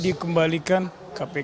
dari sekolah kanan kab caang